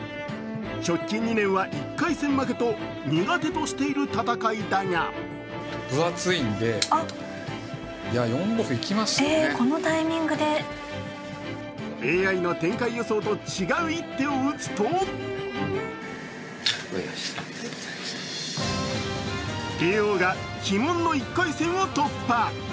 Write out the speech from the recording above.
直近２年は１回戦負けと苦手としている戦いだがＡＩの展開予想と違う一手を打つと叡王が鬼門の１回戦を突破。